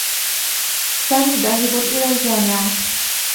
سامي ذاهب إلى الجامعة.